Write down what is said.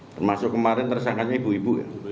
termasuk kemarin tersangkanya ibu ibu ya